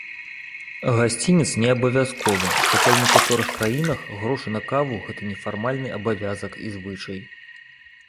Гасцінец неабавязковы, хаця ў некаторых краінах грошы 'на каву' гэта нефармальны абавязак і звычай.